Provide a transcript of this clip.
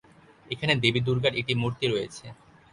এখানে দেবী দুর্গার একটি মূর্তি রয়েছে।